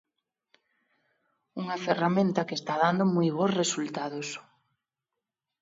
Unha ferramenta que está dando moi bos resultados.